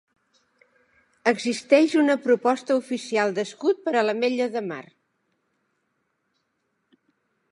Existeix una proposta oficial d'escut per a l'Ametlla de Mar.